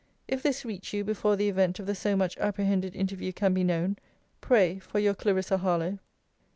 If this reach you before the event of the so much apprehended interview can be known, pray for Your CLARISSA HARLOWE.